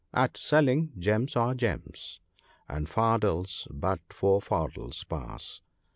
at selling, gems are gems, and fardels but for fardels pass.